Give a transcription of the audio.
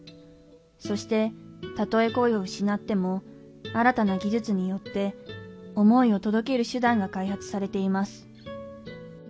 そしてたとえ声を失っても新たな技術によって想いをとどける手段が開発されています